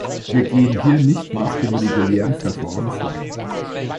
Wir gehen hier nicht nach dem regulären Verfahren vor.